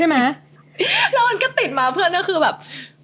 แล้วมันก็ติดมาเพื่อนก็คือแบบ